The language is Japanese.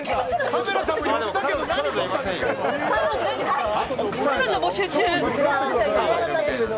カメラさんも寄ったけど！